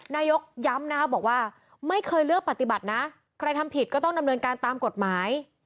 นายกย้ำนะคะบอกว่าไม่เคยเลือกปฏิบัตินะใครทำผิดก็ต้องดำเนินการตามกฎหมาย